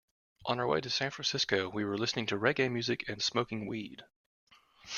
On our way to San Francisco, we were listening to reggae music and smoking weed.